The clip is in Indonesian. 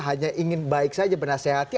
hanya ingin baik saja menasehati